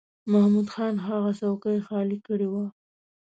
محمود خان هغه څوکۍ خالی کړې وه.